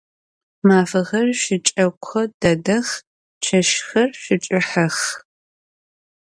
Mafexer şıç'eko dedex, çeşxer şıç'ıhex.